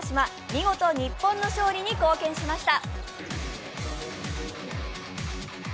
見事、日本の勝利に貢献しました。